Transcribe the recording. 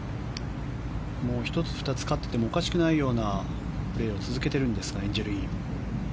もう１つ、２つ勝っていてもおかしくないようなプレーを続けているんですがエンジェル・イン。